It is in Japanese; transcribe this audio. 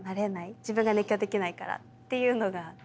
自分が熱狂できないからっていうのがずっと。